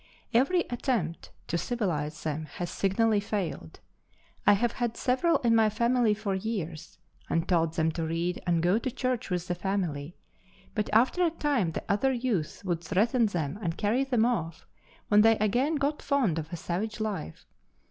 Every attempt to civilize them has signally failed. I have had several in my family for years, and taught them to read and go to church with the family ; but after a time the other youths would threaten them and carry them off, when they again got fond of a savage life.